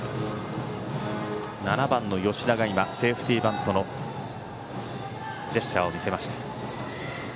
７番、吉田がセーフティーバントのジェスチャーを見せました。